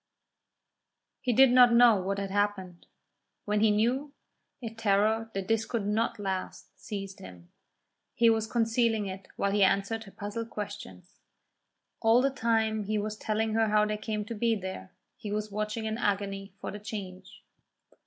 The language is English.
He did not know what had happened. When he knew, a terror that this could not last seized him. He was concealing it while he answered her puzzled questions. All the time he was telling her how they came to be there, he was watching in agony for the change.